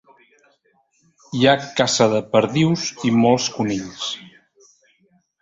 Hi ha caça de perdius i molts conills.